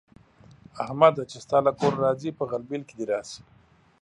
احمده! چې ستا له کوره راځي؛ په غلبېل کې دې راشي.